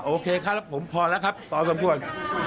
โอเคครับผมพอแล้วครับขอบคุณครับ